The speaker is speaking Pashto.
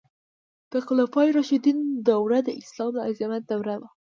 د خلفای راشدینو دوره د اسلام د عظمت دوره وه.